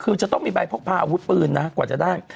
คือจะต้องมีใบพกพาอาวุธปืนนะกว่าจะได้